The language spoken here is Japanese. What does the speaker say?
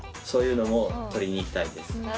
そういうのも撮りに行きたいです。